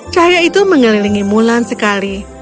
cahaya itu mengelilingi mulan sekali